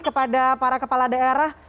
kepada para kepala daerah